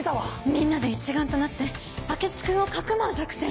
みんなで一丸となって明智君をかくまう作戦。